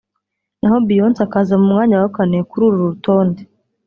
naho Beyonce akaza ku mwanya wa kane kuri uru rutonde